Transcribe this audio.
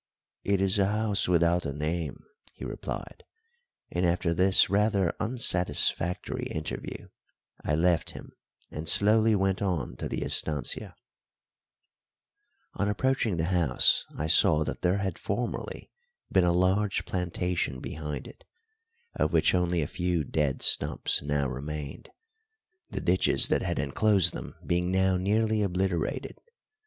"It is a house without a name," he replied; and after this rather unsatisfactory interview I left him and slowly went on to the estancia. On approaching the house I saw that there had formerly been a large plantation behind it, of which only a few dead stumps now remained, the ditches that had enclosed them being now nearly obliterated.